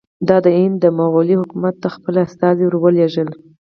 ده د هند مغولي حکومت ته خپل استازي ور ولېږل.